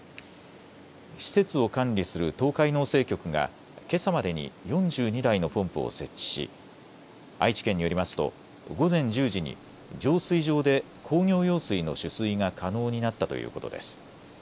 施設を管理する東海農政局がけさまでに４２台のポンプを設置し愛知県によりますと午前１０時に浄水場で工業用水の取水が可能になったということです。